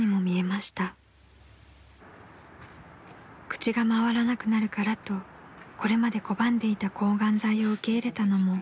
［口が回らなくなるからとこれまで拒んでいた抗がん剤を受け入れたのもこのころです］